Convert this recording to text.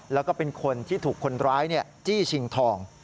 แล้วก็เป็นคนที่ถูกคนร้ายจี้ชิงทอง